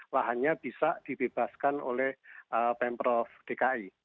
lahannya bisa dibebaskan oleh pemprov dki